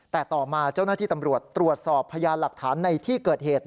แต่ต่อมาเจ้าหน้าที่ตำรวจตรวจสอบพยานหลักฐานในที่เกิดเหตุ